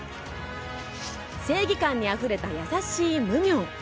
正義感にあふれた優しいムミョン。